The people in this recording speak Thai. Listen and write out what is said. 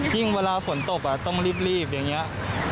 ยิ่งเวลาฝนตกต้องรีบอย่างเหี้ย